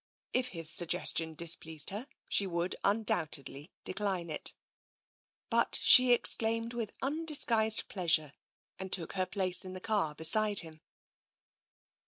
If his sugges tion displeased her, she would undoubtedly decline it. But she exclaimed with undisguised pleasure, and took her place in the car beside him.